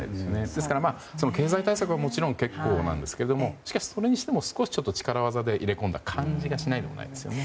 ですから経済対策はもちろん結構なんですけど力技で入れ込んだ感じがしないでもないですよね。